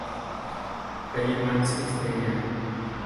Calle Max Estrella.